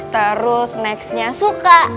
terus next nya suka